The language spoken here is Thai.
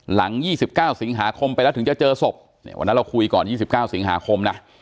๒๙สิงหาคมไปแล้วถึงจะเจอศพเนี่ยวันนั้นเราคุยก่อน๒๙สิงหาคมนะ